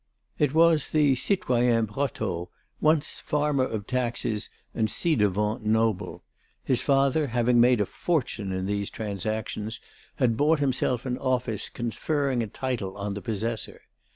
It was the citoyen Brotteaux, once farmer of taxes and ci devant noble; his father, having made a fortune in these transactions, had bought himself an office conferring a title on the possessor.